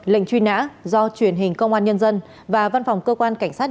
lệnh truy nã do truyền hình công an nhân dân và văn phòng cơ quan công an